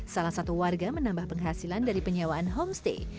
salah satu warga menambah penghasilan dari penyewaan homestay